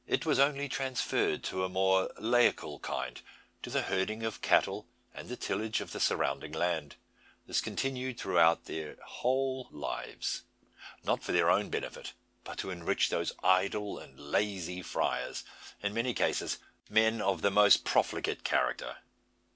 It was only transferred to a more layical kind; to the herding of cattle, and tillage of the surrounding land; this continued throughout their whole lives not for their own benefit, but to enrich those idle and lazy friars, in many cases men of the most profligate character.